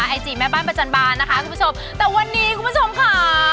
ไอจีแม่บ้านประจันบานนะคะคุณผู้ชมแต่วันนี้คุณผู้ชมค่ะ